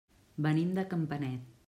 Venim de Campanet.